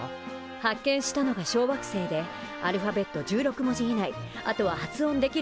発見したのが小惑星でアルファベット１６文字以内あとは発音できるものならね